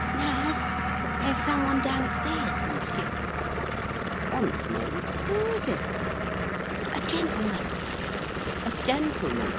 "Nurse! there's some one down stairs wants you." "Wants me! Who is it?" "A gentleman—" "A gentleman?